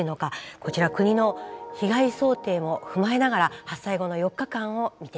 こちら国の被害想定も踏まえながら発災後の４日間を見ていきましょう。